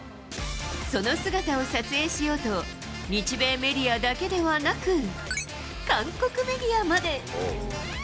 その姿を撮影しようと、日米メディアだけではなく、韓国メディアまで。